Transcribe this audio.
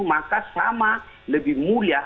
maka sama lebih mulia